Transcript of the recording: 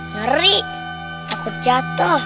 ngeri takut jatuh